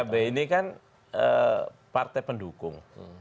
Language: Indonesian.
pkb ini kan partai pendukung